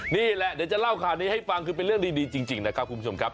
นี่แหละเดี๋ยวจะเล่าข่าวนี้ให้ฟังคือเป็นเรื่องดีจริงนะครับคุณผู้ชมครับ